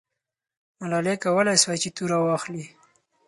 ملالۍ کولای سوای چې توره واخلي.